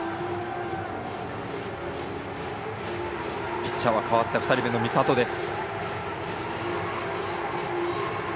ピッチャーは代わって２人目の美里です。